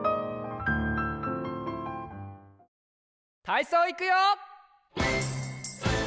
たいそういくよ！